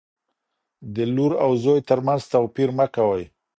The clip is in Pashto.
د لور او زوی ترمنځ توپیر مه کوئ.